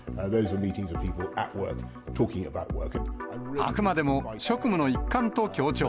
あくまでも職務の一環と強調。